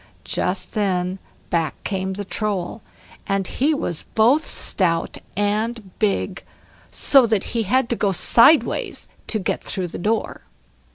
Just then back came the Troll, and he was both stout and big, so that he had to go sideways to get through the door.